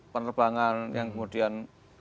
penerbangan yang kemudian